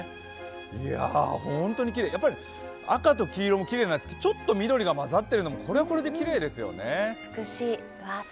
いや、本当にきれいやっぱり赤と黄色もきれいですがちょっと緑が混ざっているのも、これはこれでまたきれいですね。